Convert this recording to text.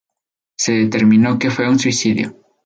Se determinó que fue un suicidio.